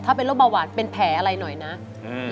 ถ้าเป็นโรคเบาหวานเป็นแผลอะไรหน่อยนะอืม